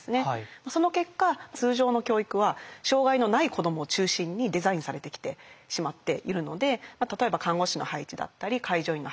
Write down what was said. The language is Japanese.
その結果通常の教育は障害のない子どもを中心にデザインされてきてしまっているので例えば看護師の配置だったり介助員の配置